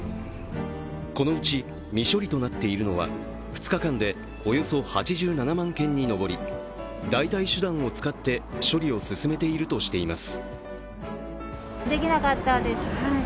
このうち未処理となっているのは２日間でおよそ８７万件に上り代替手段を使って処理を進めているとしています。